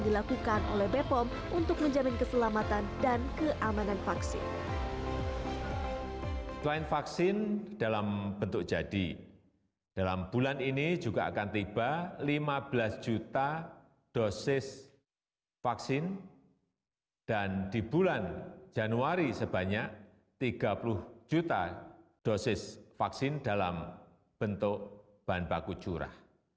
dalam bulan ini juga akan tiba lima belas juta dosis vaksin dan di bulan januari sebanyak tiga puluh juta dosis vaksin dalam bentuk bahan baku curah